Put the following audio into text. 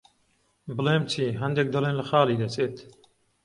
بڵێم چی، هەندێک دەڵێن لە خاڵی دەچێت.